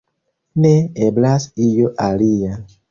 Ne eblas io alia.